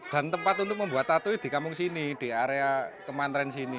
dan tempat untuk membuat tato di kampung sini di area kementerian sini